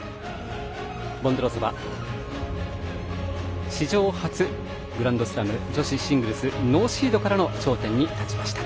ボンドロウソバ史上初、グランドスラム女子シングルスノーシードからの頂点に立ちました。